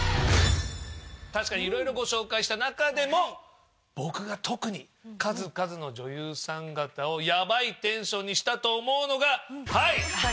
確かに色々ご紹介した中でも僕が特に数々の女優さん方をヤバいテンションにしたと思うのがはい！